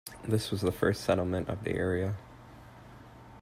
This was the first settlement of the area.